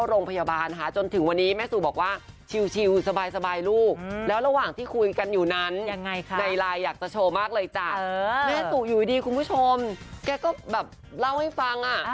อเรนนี่นคุณผู้ชมแกก็แบบเล่าให้ฟัง